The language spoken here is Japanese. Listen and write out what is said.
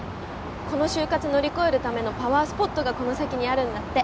この就活乗り越えるためのパワースポットがこの先にあるんだって。